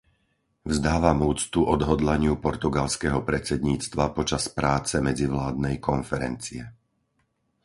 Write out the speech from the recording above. Vzdávam úctu odhodlaniu portugalského predsedníctva počas práce medzivládnej konferencie.